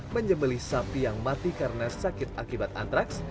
menyebeli sapi yang mati karena sakit akibat antraks